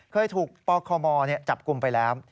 เคยถูกปคมจับกลุ่มไปแล้ว